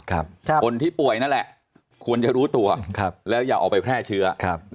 คนที่ป่วยนั่นแหละควรจะรู้ตัวแล้วอย่าออกไปแพร่เชื้อ